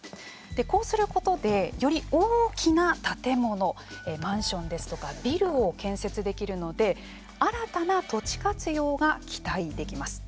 こうすることでより大きな建物マンションですとかビルを建設できるので新たな土地活用が期待できます。